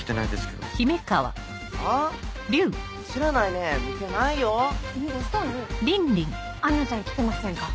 どしたの？アンナちゃん来てませんか？